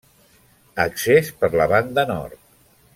Accés per la banda nord.